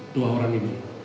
dua orang ini